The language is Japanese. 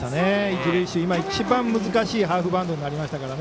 一塁手、今、一番難しいハーフバウンドになりましたから。